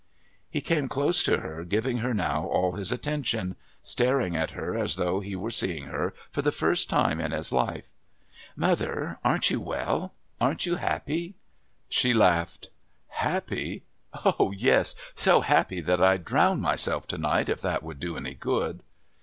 He came close to her, giving her now all his attention, staring at her as though he were seeing her for the first time in his life. "Mother, aren't you well?...Aren't you happy?" She laughed. "Happy? Oh, yes, so happy that I'd drown myself to night if that would do any good."